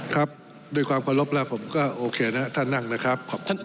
ครับด้วยความขอบรับแล้วผมก็โอเคนะท่านนั่งนะครับขอบคุณมาก